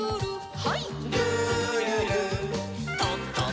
はい。